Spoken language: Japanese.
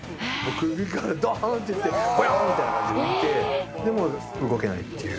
首からドーンっていってボヨーンみたいな感じで浮いてもう動けないっていう。